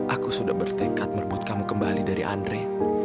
aku sudah bertekad merebut kamu kembali dari andre